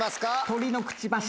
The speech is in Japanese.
「鳥のくちばし」。